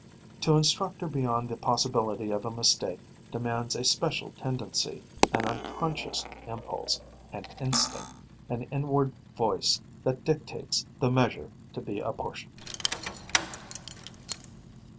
To instruct her beyond the possibility of a mistake demands a special tendency, an unconscious impulse, an instinct, an inward voice that dictates the measure to be apportioned.